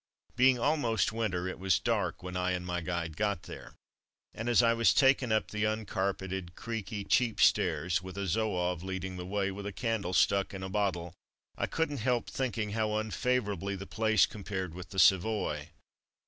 Being almost winter it was dark when I and my guide got there, and as I was taken up the uncarpeted, creaky, cheap stairs, with a Zouave leading the way 1 64 From Mud to Mufti with a candle stuck in a bottle, I couldn't help thinking how unfavourably the place compared with the Savoy.